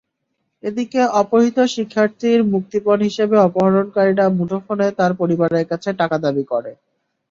এদিকে অপহৃত শিক্ষার্থীর মুক্তিপণ হিসেবে অপহরণকারীরা মুঠোফোনে তাঁর পরিবারের কাছে টাকা দাবি করে।